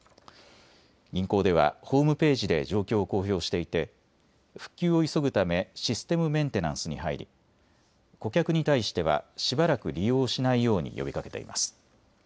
銀行ではホームページで状況を公表していて復旧を急ぐためシステムメンテナンスに入り、顧客に対しては、しばらく利用しないように呼びかけています。